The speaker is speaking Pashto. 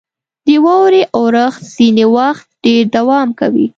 • د واورې اورښت ځینې وخت ډېر دوام کوي.